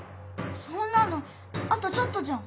そんなのあとちょっとじゃん。